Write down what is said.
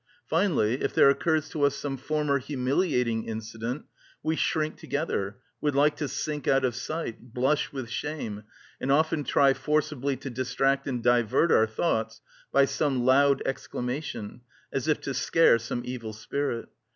Finally, if there occurs to us some former humiliating incident, we shrink together, would like to sink out of sight, blush with shame, and often try forcibly to distract and divert our thoughts by some loud exclamation, as if to scare some evil spirit.